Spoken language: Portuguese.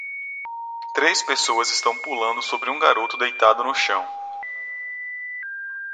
Três pessoas estão pulando sobre um garoto deitado no chão.